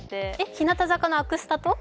日向坂のアクスタと。